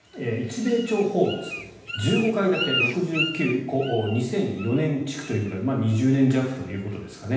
１５階建て、６９戸２００４年築ということで２０年弱ということですかね。